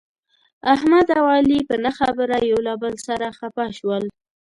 احمد او علي په نه خبره یو له بل سره خپه شول.